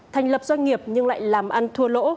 thành lập doanh nghiệp nhưng lại làm ăn thua lỗ